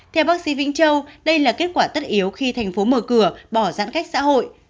theo bác sĩ vĩnh châu đây là kết quả tất yếu khi thành phố mở cửa bỏ giãn cách xã hội